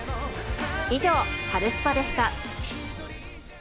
以上、カルスポっ！でした。